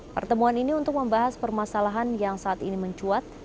pertemuan ini untuk membahas permasalahan yang saat ini mencuat